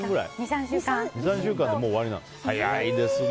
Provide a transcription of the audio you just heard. ２３週間でもう終わりなんですね。